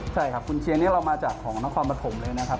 ใช่ครับคุณเชียงเนี่ยเรามาจากของน้องความประถมเลยนะครับ